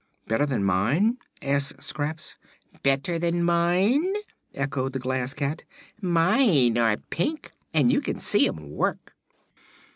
"Better than mine?" asked Scraps. "Better than mine?" echoed the Glass Cat. "Mine are pink, and you can see 'em work."